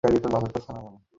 বেশ সুস্থ মানুষ ছিলেন।